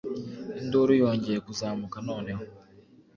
Induru yongeye kuzamuka noneho